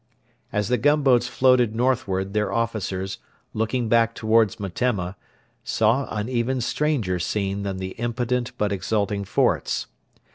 As the gunboats floated northward their officers, looking back towards Metemma, saw an even stranger scene than the impotent but exulting forts.